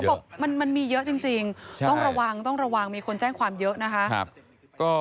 ตำรวจบอกมันมีเยอะจริงต้องระวังมีคนแจ้งความเยอะนะคะ